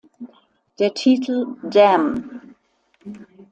Der Titel "Damn!